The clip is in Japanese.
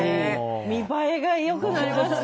見栄えがよくなりますね。